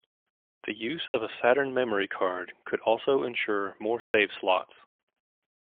The use of a Saturn Memory Card could also ensure more save slots.